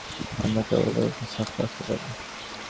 আমরা কেবল প্রদীপটাকে সাফ রাখতে পারি।